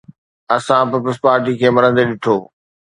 اسان پيپلز پارٽي کي مرندي ڏٺو.